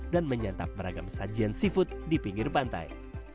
dan menyantap beragam sajian seafood di pinggir pantai